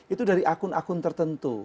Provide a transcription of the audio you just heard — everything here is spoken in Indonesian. itu dari akun akun tertentu